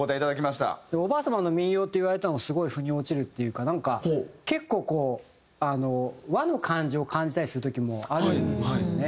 おばあ様の民謡って言われたのがすごい腑に落ちるっていうかなんか結構こうあの和の感じを感じたりする時もあるんですよね。